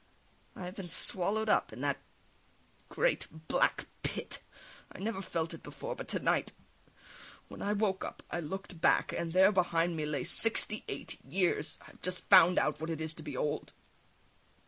I have been swallowed up in that great black pit. I never felt it before, but to night, when I woke up, I looked back, and there behind me lay sixty eight years. I have just found out what it is to be old!